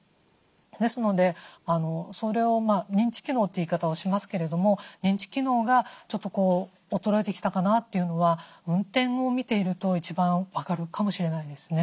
ですのでそれを認知機能という言い方をしますけれども認知機能がちょっと衰えてきたかなというのは運転を見ていると一番分かるかもしれないですね。